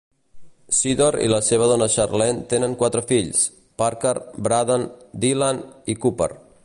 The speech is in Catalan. Sydor i la seva dona Sharlene tenen quatre fills: Parker, Braden, Dylan i Cooper.